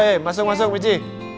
hei masuk masuk michi